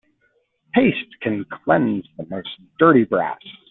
Paste can cleanse the most dirty brass.